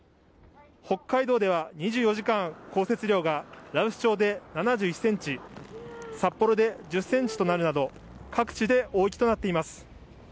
北海道では２４時間降雪量が羅臼町で７１センチ、札幌で１０センチとなるなど、各地で大雪となっています。